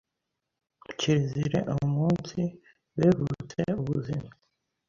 Kirezire umunsibevutse ubuzime,